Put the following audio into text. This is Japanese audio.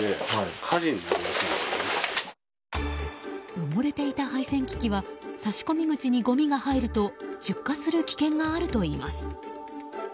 埋もれていた配線機器は差し込み口にごみが入ると出火する危険があるといいます。